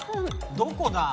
「どこだ？」